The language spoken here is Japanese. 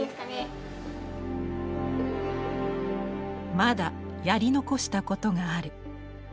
「まだやりのこしたことがある」。